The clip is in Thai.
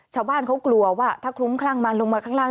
ชาวบ้านเขากลัวว่าถ้าคลุ้มคลั่งมาลงมาข้างล่าง